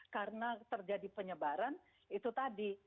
karena terjadi penyebaran itu tadi